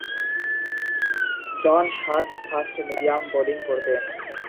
জন Sharp fast medium bowling করতেন।